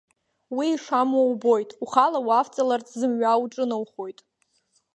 Уи ишамуа убоит, ухала уавҵаларц, зымҩа уҿыноухоит.